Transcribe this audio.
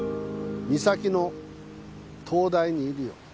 岬の灯台にいるよ。